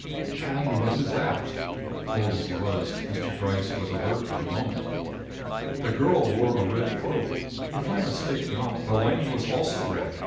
"And what is that?" Old as he was, Mr. Gryce was alert in a moment. "The girl wore a red cloak. If I mistake not, the lining was also red.